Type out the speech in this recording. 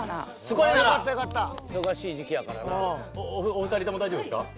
お二人とも大丈夫ですか？